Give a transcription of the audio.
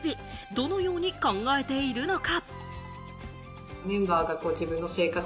どのように考えているのか？